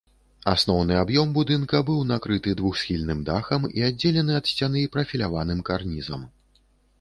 Асноўны аб'ём будынка быў накрыты двухсхільным дахам і аддзелены ад сцяны прафіляваным карнізам.